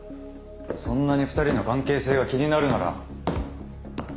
そんなに２人の関係性が気になるなら。